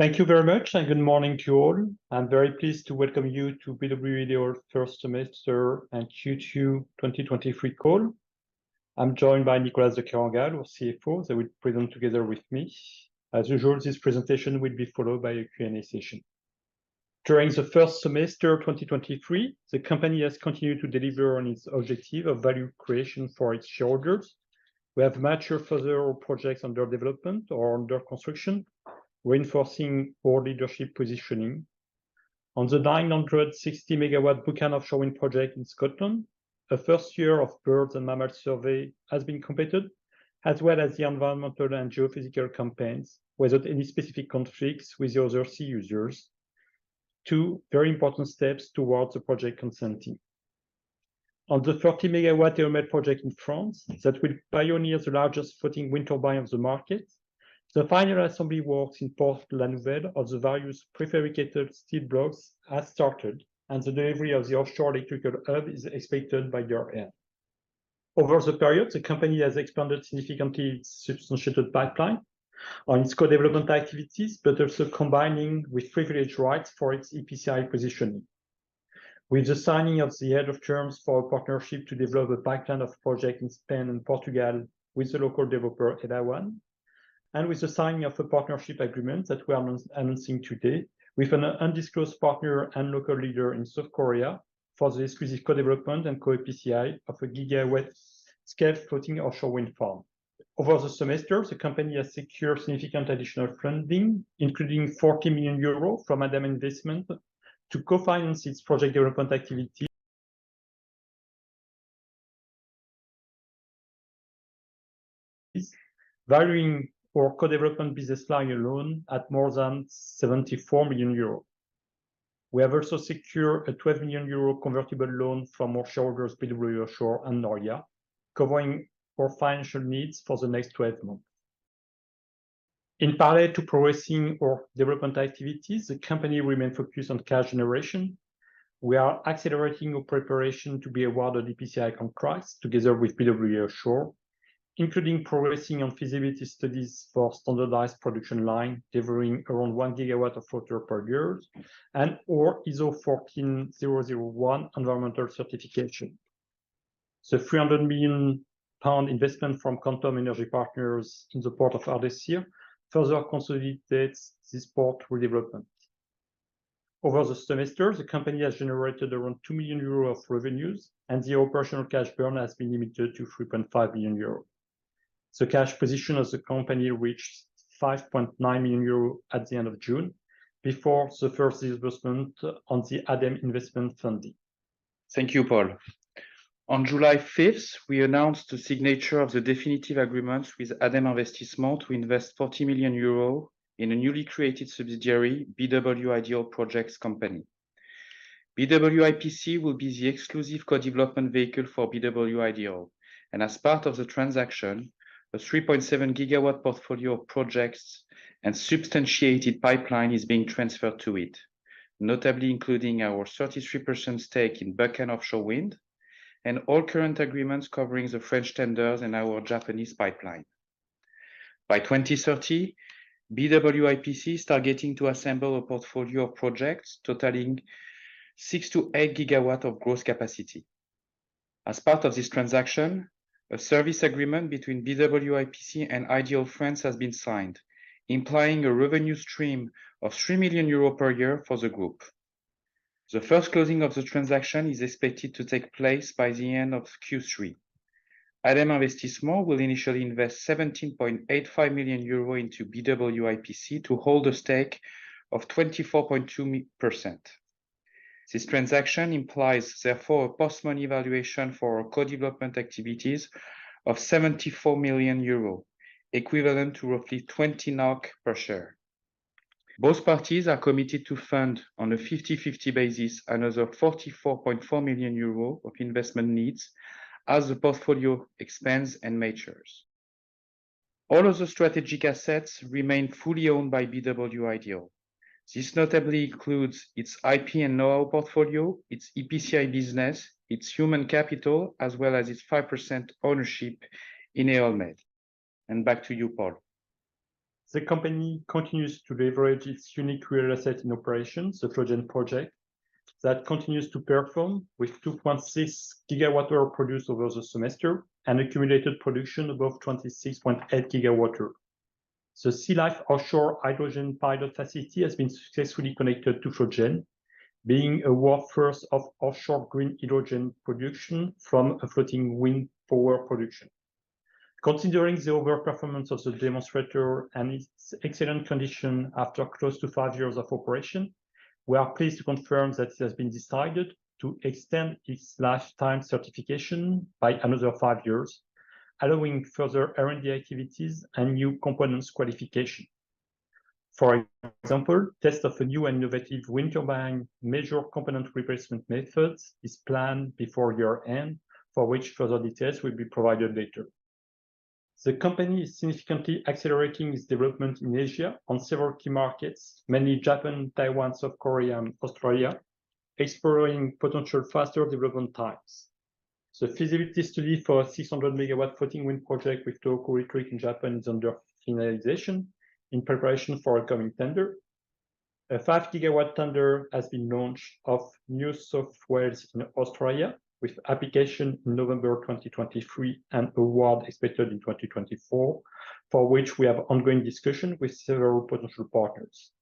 Thank you very much, and good morning to you all. I'm very pleased to welcome you to BW Ideol first semester and Q2 2023 call. I'm joined by Nicolas de Kerangal, our CFO, that will present together with me. As usual, this presentation will be followed by a Q&A session. During the first semester of 2023, the company has continued to deliver on its objective of value creation for its shareholders. We have matured further projects under development or under construction, reinforcing our leadership positioning. On the 960 MW Buchan Offshore Wind project in Scotland, a first year of birds and mammals survey has been completed, as well as the environmental and geophysical campaigns, without any specific conflicts with the other sea users. Two very important steps towards the project consenting. On the 30-megawatt EolMed project in France, that will pioneer the largest floating wind turbine on the market, the final assembly works in Port-la-Nouvelle of the various prefabricated steel blocks has started, and the delivery of the offshore electrical hub is expected by year-end. Over the period, the company has expanded significantly its substantiated pipeline on its co-development activities, but also combining with privileged rights for its EPCI positioning. With the signing of the head of terms for a partnership to develop a pipeline of projects in Spain and Portugal with the local developer Elawan, and with the signing of a partnership agreement that we are announcing today with an undisclosed partner and local leader in South Korea for the exclusive co-development and co-EPCI of a gigawatt-scale floating offshore wind farm. Over the semester, the company has secured significant additional funding, including 40 million euros from ADEME Investissement to co-finance its project development activity, valuing our co-development business line alone at more than 74 million euros. We have also secured a 12 million euro convertible loan from our shareholders, BW Offshore and Noria, covering our financial needs for the next 12 months. In parallel to progressing our development activities, the company remain focused on cash generation. We are accelerating our preparation to be awarded EPCI contract, together with BW Offshore, including progressing on feasibility studies for standardized production line, delivering around 1 gigawatt of floating per year, and our ISO 14001 environmental certification. The 300 million pound investment from Quantum Energy Partners in the Port of Ardersier further consolidates this port redevelopment. Over the semester, the company has generated around 2 million euros of revenues, and the operational cash burn has been limited to 3.5 million euros. The cash position of the company reached 5.9 million euros at the end of June, before the first disbursement on the ADEME investment funding. Thank you, Paul. On July 5th, we announced the signature of the definitive agreement with ADEME Investissement to invest 40 million euros in a newly created subsidiary, BW Ideol Projects Company. BW IPC will be the exclusive co-development vehicle for BW Ideol, and as part of the transaction, a 3.7 gigawatt portfolio of projects and substantiated pipeline is being transferred to it, notably including our 33% stake in Buchan Offshore Wind and all current agreements covering the French tenders and our Japanese pipeline. By 2030, BW IPC is targeting to assemble a portfolio of projects totaling six-eight gigawatt of gross capacity. As part of this transaction, a service agreement between BW IPC and Ideol France has been signed, implying a revenue stream of 3 million euros per year for the group. The first closing of the transaction is expected to take place by the end of Q3. ADEME Investissement will initially invest 17.85 million euros into BW IPC to hold a stake of 24.2%. This transaction implies, therefore, a post-money valuation for our co-development activities of 74 million euro, equivalent to roughly 20 NOK per share. Both parties are committed to fund, on a 50/50 basis, another 44.4 million euro of investment needs as the portfolio expands and matures. All other strategic assets remain fully owned by BW Ideol. This notably includes its IP and know-how portfolio, its EPCI business, its human capital, as well as its 5% ownership in EolMed. And back to you, Paul. The company continues to leverage its unique real asset in operation, the Floatgen project, that continues to perform with 2.6 GWh produced over the semester and accumulated production above 26.8 GWh. The Sealhyfe offshore hydrogen pilot facility has been successfully connected to Floatgen, being a world first of offshore green hydrogen production from a floating wind power production. Considering the overall performance of the demonstrator and its excellent condition after close to five years of operation, we are pleased to confirm that it has been decided to extend its lifetime certification by another five years, allowing further R&D activities and new components qualification. For example, test of a new innovative wind turbine, major component replacement methods is planned before year-end, for which further details will be provided later. The company is significantly accelerating its development in Asia on several key markets, mainly Japan, Taiwan, South Korea, and Australia, exploring potential faster development times. So feasibility study for a 600 MW floating wind project with Tohoku Electric in Japan is under finalization in preparation for upcoming tender. A 5 GW tender has been launched of New South Wales in Australia, with application November 2023, and award expected in 2024, for which we have ongoing discussion with several potential partners.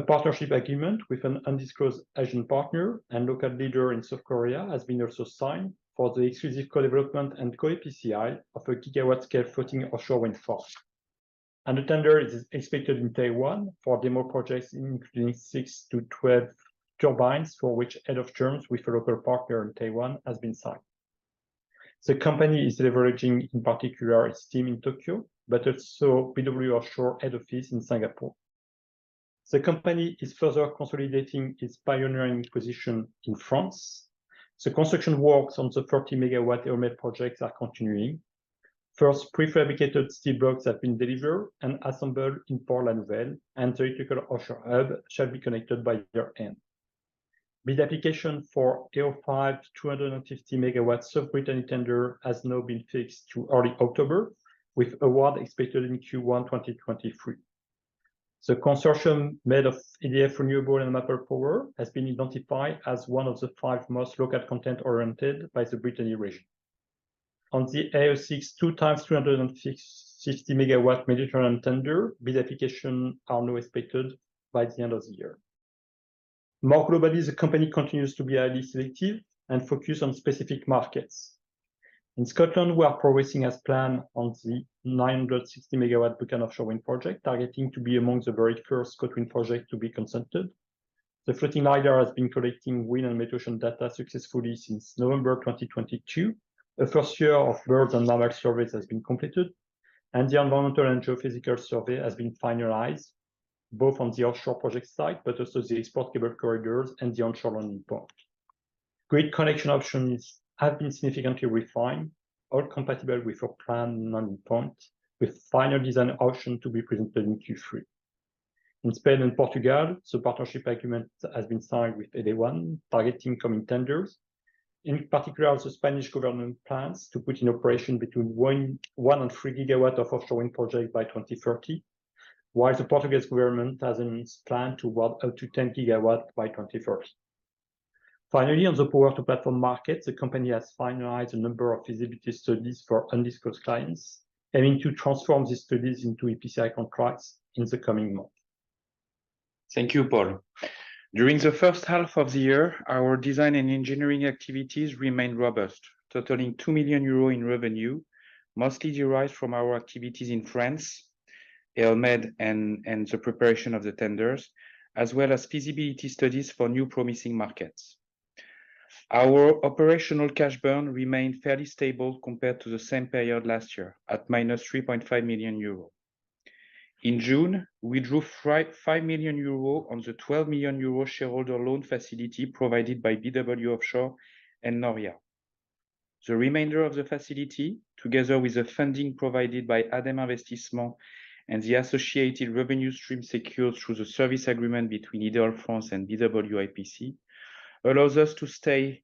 A partnership agreement with an undisclosed Asian partner and local leader in South Korea has been also signed for the exclusive co-development and co-EPCI of a GW-scale floating offshore wind farm. A tender is expected in Taiwan for demo projects, including six-12 turbines, for which head of terms with a local partner in Taiwan has been signed. The company is leveraging, in particular, its team in Tokyo, but also BW Offshore head office in Singapore. The company is further consolidating its pioneering position in France. The construction works on the 40-MW EolMed project are continuing. First, prefabricated steel blocks have been delivered and assembled in Port-la-Nouvelle, and the electrical offshore hub shall be connected by year-end. Bid application for AO5 250 MW in Brittany tender has now been fixed to early October, with award expected in Q1 2023. The consortium, made of EDF Renewables and Maple Power, has been identified as one of the five most local content-oriented by the Brittany region. On the AO6, two 360-MW Mediterranean tender, bid applications are now expected by the end of the year. More globally, the company continues to be highly selective and focused on specific markets. In Scotland, we are progressing as planned on the 960 MW Buchan Offshore Wind project, targeting to be among the very first Scottish project to be consented. The floating LiDAR has been collecting wind and meteorological data successfully since November 2022. The first year of birds and bat surveys has been completed, and the environmental and geophysical survey has been finalized, both on the offshore project site, but also the export cable corridors and the onshore substation. Grid connection options have been significantly refined or compatible with a planned landing point, with final design option to be presented in Q3. In Spain and Portugal, the partnership agreement has been signed with Elawan, targeting coming tenders. In particular, the Spanish government plans to put in operation between one and three gigawatts of offshore wind projects by 2030, while the Portuguese government has in its plan to award up to 10 gigawatts by 2030. Finally, on the power-to-platform market, the company has finalized a number of feasibility studies for undisclosed clients, aiming to transform these studies into EPCI contracts in the coming months. Thank you, Paul. During the first half of the year, our design and engineering activities remained robust, totaling 2 million euros in revenue, mostly derived from our activities in France, EolMed, and the preparation of the tenders, as well as feasibility studies for new promising markets. Our operational cash burn remained fairly stable compared to the same period last year, at minus 3.5 million euro. In June, we drew 5 million euro on the 12 million euro shareholder loan facility provided by BW Offshore and Noria. The remainder of the facility, together with the funding provided by ADEME Investissement and the associated revenue stream secured through the service agreement between BW Ideol and BW IPC, allows us to stay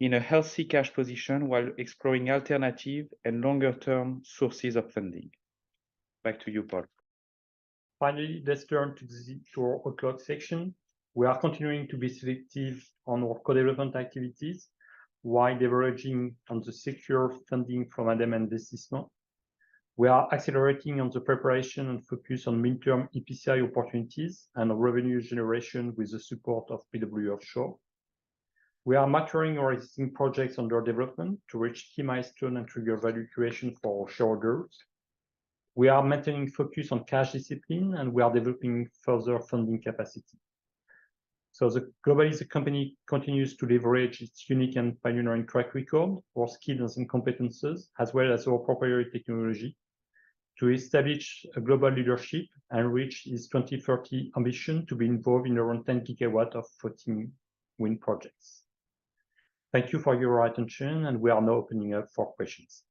in a healthy cash position while exploring alternative and longer-term sources of funding. Back to you, Paul. Finally, let's turn to the future outlook section. We are continuing to be selective on our co-development activities, while leveraging on the secure funding from ADEME Investissement. We are accelerating on the preparation and focus on mid-term EPCI opportunities and revenue generation with the support of BW Offshore. We are maturing our existing projects under development to reach key milestone and trigger value creation for shareholders. We are maintaining focus on cash discipline, and we are developing further funding capacity. So, globally, the company continues to leverage its unique and pioneering track record or skills and competencies, as well as our proprietary technology, to establish a global leadership and reach its 2030 ambition to be involved in around 10 GW of floating wind projects. Thank you for your attention, and we are now opening up for questions. ...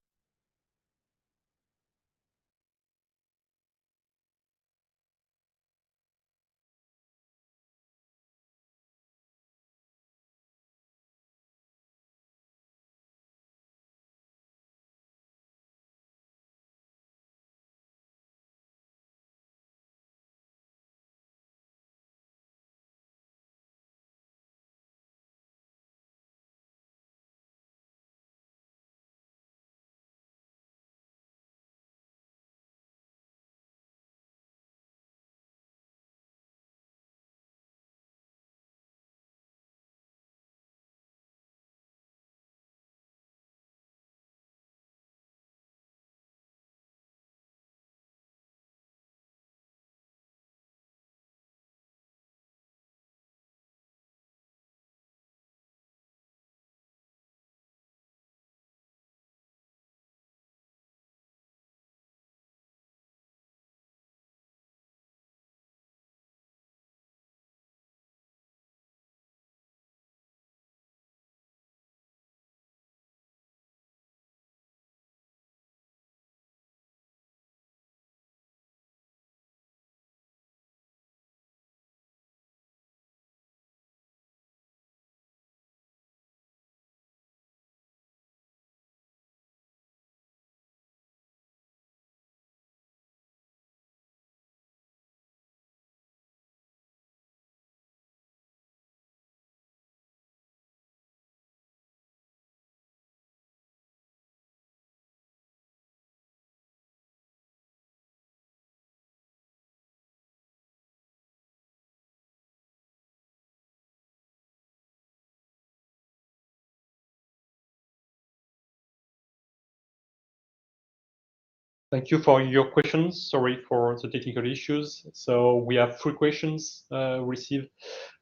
Thank you for your questions. Sorry for the technical issues. So we have three questions received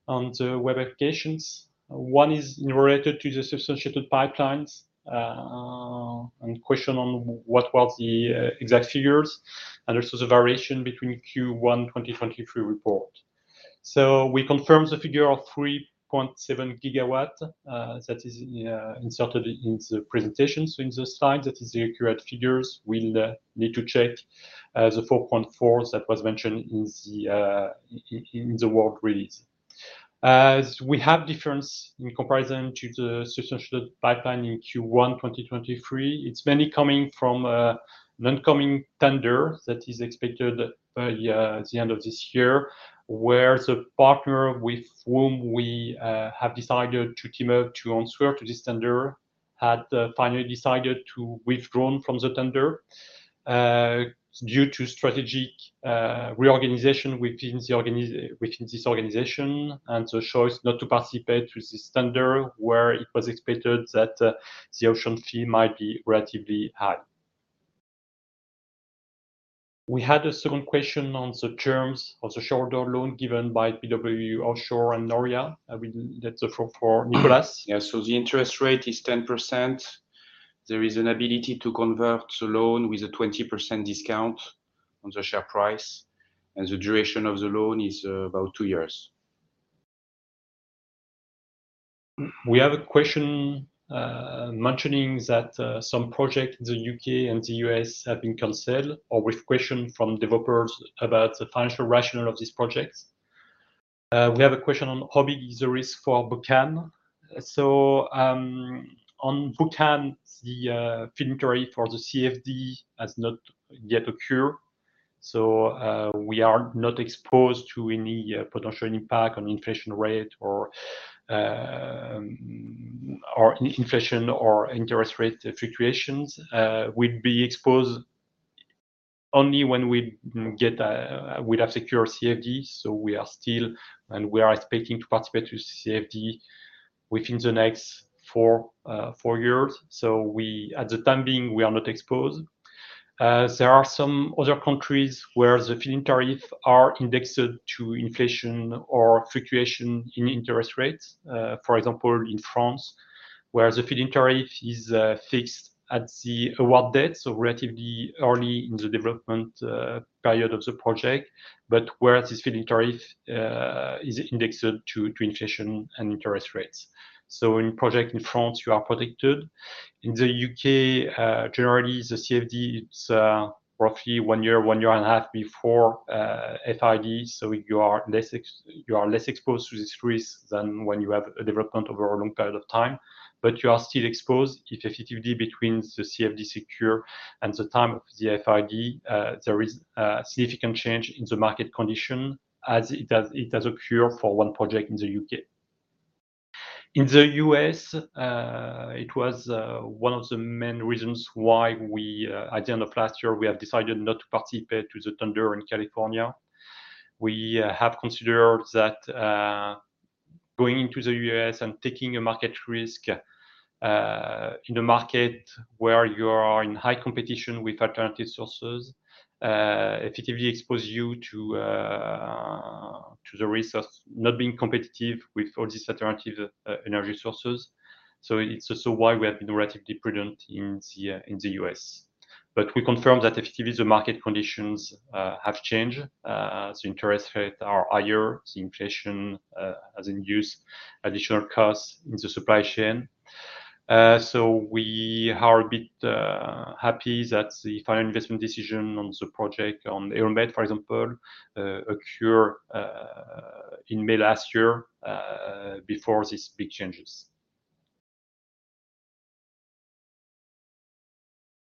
on the web applications. One is related to the substantiated pipelines, and question on what was the exact figures, and also the variation between Q1 2023 report. So we confirm the figure of 3.7 gigawatt, that is inserted in the presentation. So in the slide, that is the accurate figures. We'll need to check the 4.4 that was mentioned in the in the press release. As we have difference in comparison to the substantiated pipeline in Q1, 2023, it's mainly coming from an upcoming tender that is expected, yeah, at the end of this year, where the partner with whom we have decided to team up to answer to this tender had finally decided to withdraw from the tender due to strategic reorganization within this organization, and so chose not to participate with this tender, where it was expected that the option fee might be relatively high. We had a second question on the terms of the shareholder loan given by BW Offshore and Noria. I mean, that's for, for Nicolas. Yeah. So the interest rate is 10%. There is an ability to convert the loan with a 20% discount on the share price, and the duration of the loan is about two years. We have a question mentioning that some project in the U.K. and the U.S. have been canceled or with question from developers about the financial rationale of this project. We have a question on how big is the risk for Buchan. So, on Buchan, the feed-in tariff for the CFD has not yet occur, so we are not exposed to any potential impact on inflation rate or or inflation or interest rate fluctuations. We'd be exposed only when we get a we'd have secured CFD, so we are still, and we are expecting to participate with CFD within the next four four years. So we, at the time being, we are not exposed. There are some other countries where the feed-in tariff are indexed to inflation or fluctuation in interest rates. For example, in France, where the feed-in tariff is fixed at the award date, so relatively early in the development period of the project, but where this feed-in tariff is indexed to inflation and interest rates. So in project in France, you are protected. In the U.K., generally, the CFD, it's roughly one year, one year and a half before FID, so you are less exposed to this risk than when you have a development over a long period of time, but you are still exposed if effectively between the CFD secure and the time of the FID, there is a significant change in the market condition, as it does occur for one project in the U.K. In the U.S., it was one of the main reasons why we... At the end of last year, we have decided not to participate with the tender in California. We have considered that going into the U.S. and taking a market risk in a market where you are in high competition with alternative sources effectively expose you to the risk of not being competitive with all these alternative energy sources. So it's also why we have been relatively prudent in the U.S. But we confirm that effectively, the market conditions have changed. The interest rates are higher, the inflation has induced additional costs in the supply chain. So we are a bit happy that the final investment decision on the project, on EolMed, for example, occur in May last year before these big changes.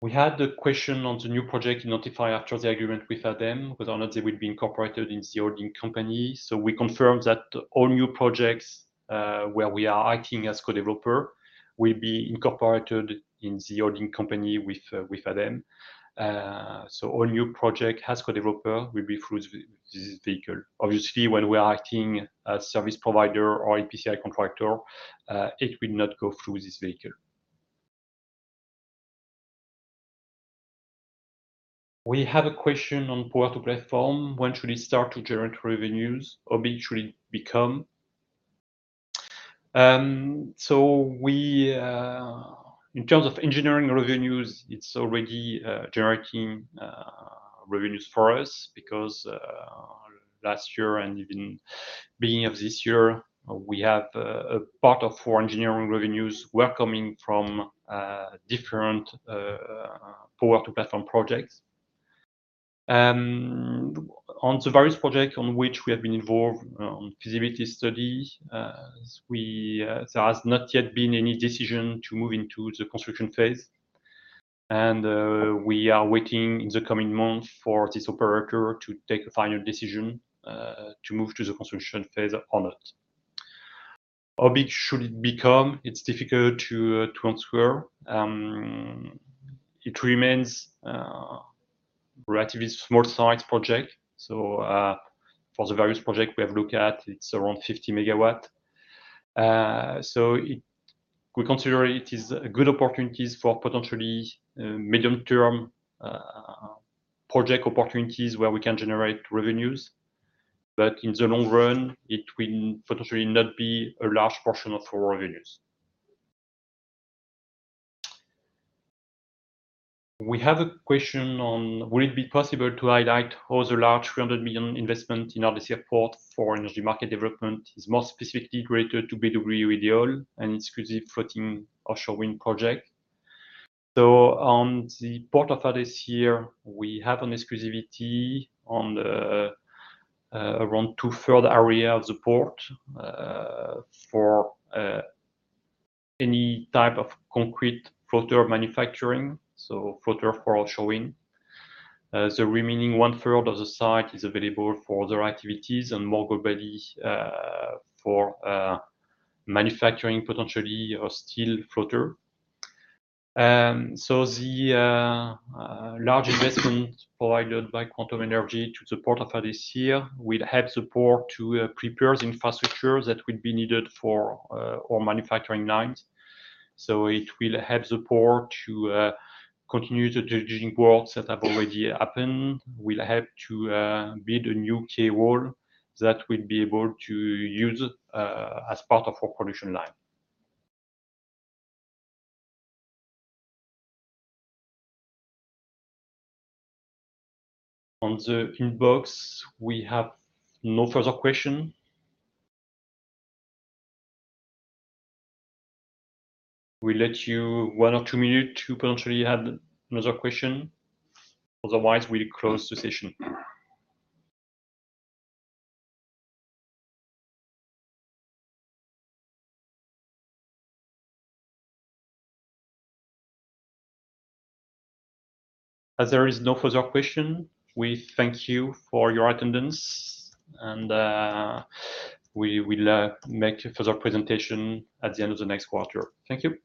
We had a question on the new project development after the agreement with ADEME, whether or not they would be incorporated in the holding company. So we confirm that all new projects, where we are acting as co-developer, will be incorporated in the holding company with ADEME. So all new project as co-developer will be through this vehicle. Obviously, when we are acting as service provider or EPCI contractor, it will not go through this vehicle. We have a question on power-to-platform. When should it start to generate revenues? How big should it become? So we, in terms of engineering revenues, it's already generating revenues for us, because, last year and even beginning of this year, we have, a part of our engineering revenues were coming from, different, power-to-platform projects. On the various project on which we have been involved on feasibility study, there has not yet been any decision to move into the construction phase. We are waiting in the coming months for this operator to take a final decision, to move to the construction phase on it. How big should it become? It's difficult to answer. It remains a relatively small-sized project. For the various project we have looked at, it's around 50 MW. We consider it is a good opportunities for potentially medium-term project opportunities where we can generate revenues. But in the long run, it will potentially not be a large portion of our revenues. We have a question on, 'Will it be possible to highlight how the large 300 million investment in Ardersier port for energy market development is more specifically related to BW Ideol's exclusive floating offshore wind project?'. On the port of Ardersier here, we have an exclusivity on the around two-thirds area of the port for any type of concrete floater manufacturing, so floater for offshore wind. The remaining one-third of the site is available for other activities and more broadly for manufacturing, potentially, a steel floater. So the large investment provided by Quantum Energy to the port of Ardersier here will help the port to prepare the infrastructure that will be needed for our manufacturing lines. So it will help the port to continue the dredging works that have already happened, will help to build a new quay wall that we'll be able to use as part of our production line. On the inbox, we have no further question. We'll let you one or two minute to potentially add another question. Otherwise, we'll close the session. As there is no further question, we thank you for your attendance, and we will make a further presentation at the end of the next quarter. Thank you.